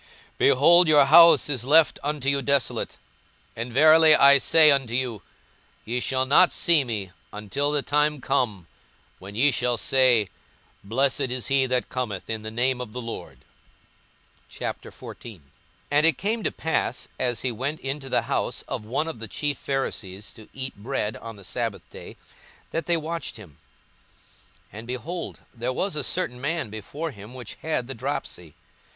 42:013:035 Behold, your house is left unto you desolate: and verily I say unto you, Ye shall not see me, until the time come when ye shall say, Blessed is he that cometh in the name of the Lord. 42:014:001 And it came to pass, as he went into the house of one of the chief Pharisees to eat bread on the sabbath day, that they watched him. 42:014:002 And, behold, there was a certain man before him which had the dropsy.